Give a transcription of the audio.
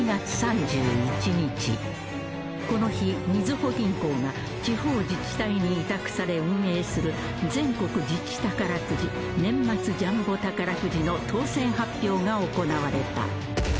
［この日みずほ銀行が地方自治体に委託され運営する全国自治宝くじ年末ジャンボ宝くじの当せん発表が行われた］